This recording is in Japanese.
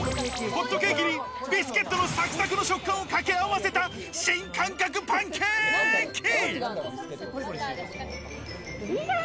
ホットケーキにビスケットのサクサクの食感をかけあわせた新感覚パンケーキ。